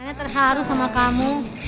nenek terharu sama kamu